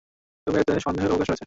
তবে এতে সন্দেহের অবকাশ রয়েছে।